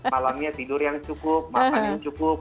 malamnya tidur yang cukup makan yang cukup